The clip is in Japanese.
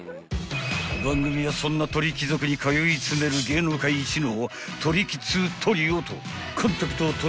［番組はそんな鳥貴族に通い詰める芸能界一のトリキ通トリオとコンタクトを取ることに成功］